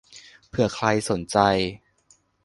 เผื่อใครสนใจ